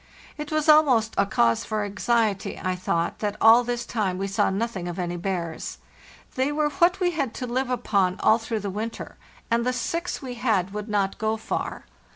It was almost a cause for anxiety, I thought, that all this time we saw nothing of any bears. They were what we had to live upon all through the winter, and the LAND AT LAST 413 six we had would not go far.